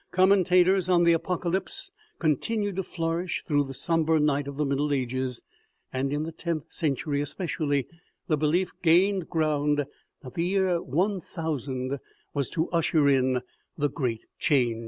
Commentators on the Apocalypse continued to flourish through the somber night of the middle ages, and in the tenth century espe cially the belief gained ground that the year 1000 was to usher in the great change.